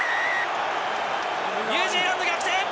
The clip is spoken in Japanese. ニュージーランド逆転！